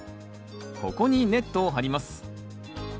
ここにネットを張ります。